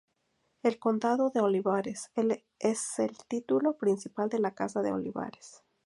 El Condado de Olivares es el título principal de la Casa de Olivares.